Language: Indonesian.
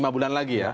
lima bulan lagi ya